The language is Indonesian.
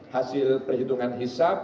hasil perhitungan hisap